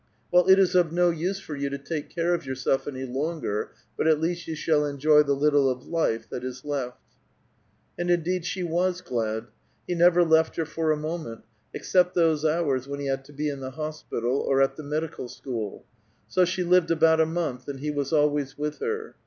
" Well, it is of no use for you to take care of yourself any longer, but at least you shall enjoy the little of life that is left." And indeed she was glad ; he never left her for a moment, except those hours when he had to be in the hospital, or at the medical school ; so she lived about a month, and he was always with her.